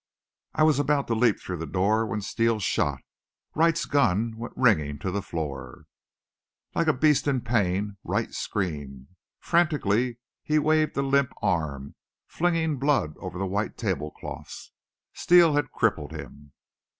I was about to leap through the door when Steele shot. Wright's gun went ringing to the floor. Like a beast in pain Wright screamed. Frantically he waved a limp arm, flinging blood over the white table cloths. Steele had crippled him.